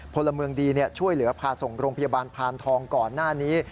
พลเมืองดีช่วยเหลือพาส่งโรงพยาบาลพานทองก่อนหน้านี้